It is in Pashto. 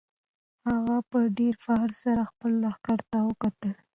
هغه په ډېر فخر سره خپل لښکر ته وکتل.